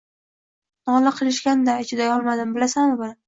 Nola qilishgan-da. Chidayolmadim bilasanmi buni!